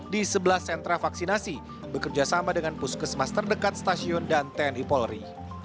di sebelah sentra vaksinasi bekerjasama dengan puskesmas terdekat stasiun dan tni polri